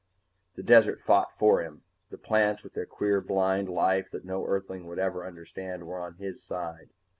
The desert fought for him; the plants with their queer blind life that no Earthling would ever understand were on his side.